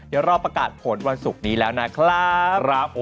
เดี๋ยวรอประกาศผลวันศุกร์นี้แล้วนะครับ